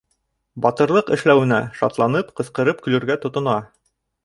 Батырлыҡ эшләүенә шатланып, ҡысҡырып көлөргә тотона.